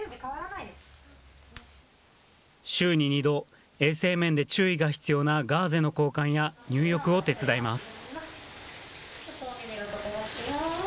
週に２度、衛生面で注意が必要なガーゼの交換や入浴を手伝います。